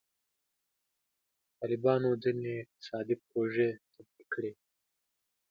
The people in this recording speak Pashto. طالبانو ځینې اقتصادي پروژې تطبیق کړي.